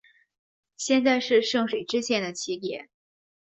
现在是圣水支线的起点。